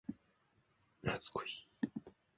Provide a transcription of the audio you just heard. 初恋